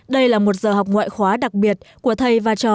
đây là một giờ học ngoại khóa đặc biệt của thầy và trò